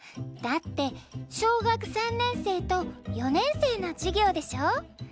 だって小学３年生と４年生の授業でしょ？